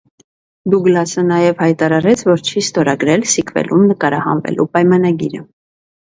Դուգլասը նաև հայտարարեց, որ չի ստորագրել սիկվելում նկարահանվելու պայմանագիրը։